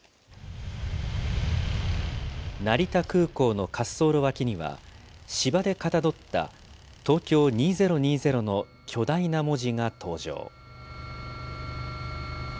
成田空港の滑走路脇には、芝でかたどった、ＴＯＫＹＯ２０２０の巨大な文字が登場。